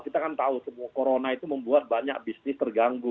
kita kan tahu semua corona itu membuat banyak bisnis terganggu